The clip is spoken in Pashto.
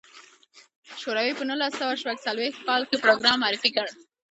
شوروي په نولس سوه شپږ څلوېښت کال کې پروګرام معرفي کړ.